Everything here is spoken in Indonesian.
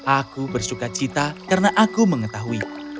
aku bersuka cita karena aku mengetahui